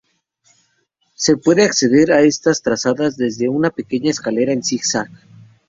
Se puede acceder a estas terrazas desde una pequeña escalera en zig-zag.